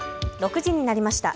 ６時になりました。